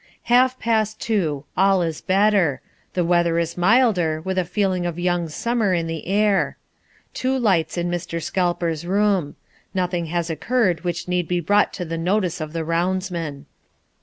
"Half past two. All is better. The weather is milder with a feeling of young summer in the air. Two lights in Mr. Scalper's room. Nothing has occurred which need be brought to the notice of the roundsman."